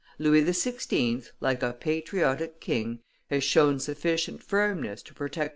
Louis XVI., like a patriotic king, has shown sufficient firmness to protect M.